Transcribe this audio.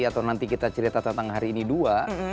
atau nanti kita cerita tentang hari ini dua